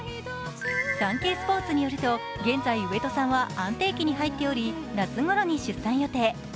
「サンケイスポーツ」によると現在、上戸さんは安定期に入っており夏ごろに出産予定。